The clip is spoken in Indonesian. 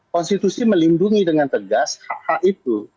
konstitusi melindungi dengan tegas hak hak itu